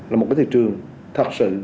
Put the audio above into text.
là một thị trường thật sự